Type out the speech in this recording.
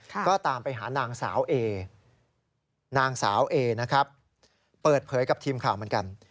ก็ตามไปหานางสาวเอนางสาวเอนะครับเปิดเผยกับทีมข่าวเหมือนกัน